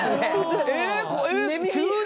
「え急に！」